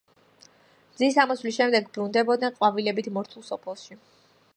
მზის ამოსვლის შემდეგ ბრუნდებოდნენ ყვავილებით მორთულ სოფელში.